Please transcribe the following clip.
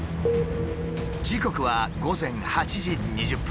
時刻は午前８時２０分。